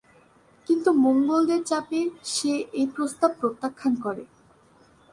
কিন্তু মঙ্গোলদের চাপে সে এ প্রস্তাব প্রত্যাখ্যান করে।